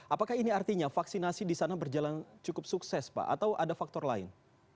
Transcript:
apakah ini artinya vaksinasi di sana berjalan cukup sukses pak atau ada faktor lain